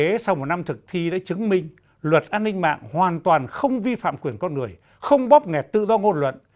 luật an ninh mạng sau một năm thực thi đã chứng minh luật an ninh mạng hoàn toàn không vi phạm quyền con người không bóp nghẹt tự do ngôn luận